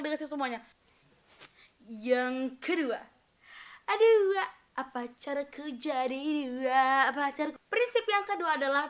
dikasih semuanya yang kedua aduh apa caraku jadi dua apa caraku prinsip yang kedua adalah